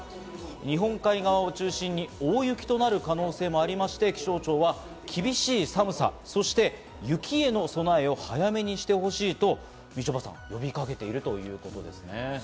日本海側を中心に大雪となる可能性もありまして、気象庁は厳しい寒さ、そして雪への備えを早めにしてほしいと、みちょぱさん、呼びかけているということなんですね。